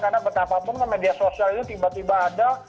karena betapapun media sosial itu tiba tiba ada